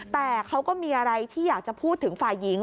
แต่เขาก็มีอะไรที่อยากจะพูดถึงฝ่ายหญิง